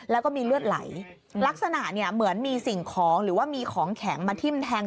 แล้วก็มีเลือดไหลลักษณะเนี่ยเหมือนมีสิ่งของหรือว่ามีของแข็งมาทิ้มแทง